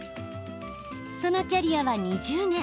そのキャリアは２０年。